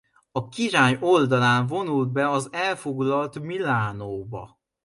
A király oldalán vonult be az elfoglalt Milánóba.